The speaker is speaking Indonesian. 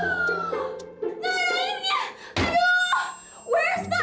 masuk harus mimpah aku mimpah aja belum bisa